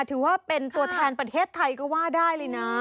ถือว่าเป็นตัวแทนประเทศไทยก็ว่าได้เลยนะ